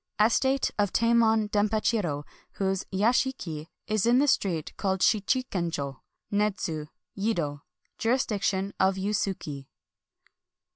— Estate of Tamon DempacMro, whose yashiki is in the street called SMchikenclio, Nedzu, Yedo. — Jurisdiction of Yusiiki.